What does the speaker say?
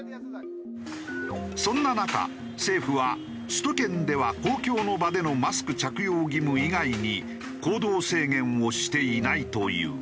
そんな中政府は首都圏では公共の場でのマスク着用義務以外に行動制限をしていないという。